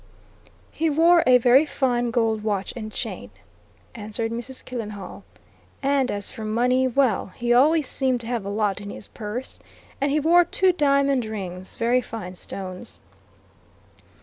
"He wore a very fine gold watch and chain," answered Mrs. Killenhall; "and as for money well, he always seemed to have a lot in his purse. And he wore two diamond rings very fine stones."